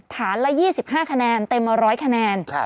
ฐานละ๒๕คะแนนเต็มมา๑๐๐คะแนน